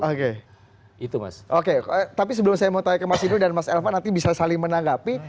oke tapi sebelum saya mau tanya ke mas hidro dan mas elvan nanti bisa saling menanggapi